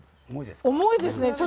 重いですね。